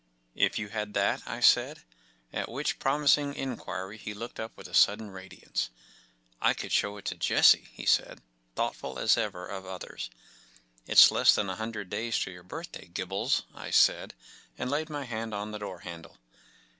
“If you had that?” I said; at which promising inquiry he looked up with a sudden radiance. “ I could show it to Jessie,” he said, thoughtful as ever of others. “It’s less than a hundred days to your birthday, Gibbles,” I said, and laid my hand on the door handle.